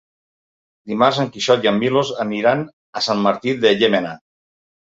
Dimarts en Quixot i en Milos aniran a Sant Martí de Llémena.